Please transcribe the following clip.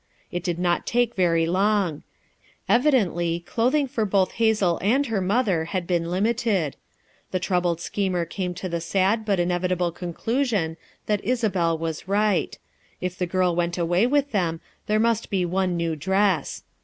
It did not take very long; evidently clothing for both Hazel and her mother had been lim ited; the troubled schemer came to the sad but inevitable conclusion that Isabel was right; if the girl went away with them there must bo one new dress.